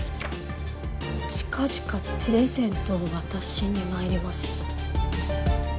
「近々プレゼントを渡しに参ります」。